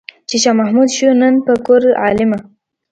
چې شاه محمود شو نن په کور عالمه.